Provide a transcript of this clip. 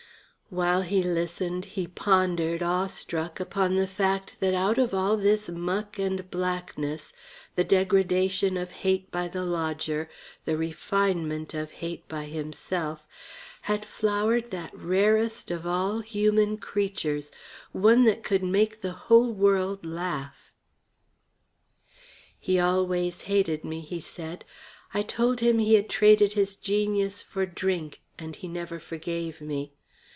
While he listened he pondered, awestruck, upon the fact that out of all this muck and blackness, the degradation of hate by the lodger, the refinement of hate by himself, had flowered that rarest of all human creatures one that could make the whole world laugh. "He always hated me," he said. "I told him he had traded his genius for drink, and he never forgave me.